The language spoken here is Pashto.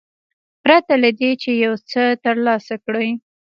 پرته له دې چې یو څه ترلاسه کړي.